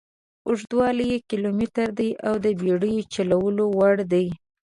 اوږدوالی یې کیلومتره دي او د بېړیو چلولو وړ دي.